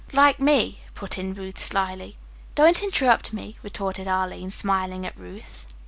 "Like me," put in Ruth slyly. "Don't interrupt me," retorted Arline, smiling at Ruth.